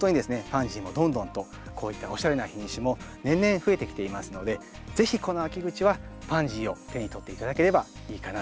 パンジーもどんどんとこういったおしゃれな品種も年々増えてきていますので是非この秋口はパンジーを手に取って頂ければいいかなと思います。